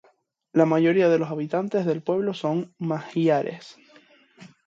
La mayoría de los habitantes del pueblo son magiares.